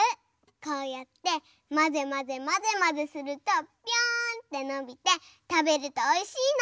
こうやってまぜまぜまぜまぜするとぴょんってのびてたべるとおいしいの！